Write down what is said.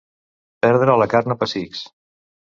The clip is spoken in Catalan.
Perdre la carn a pessics.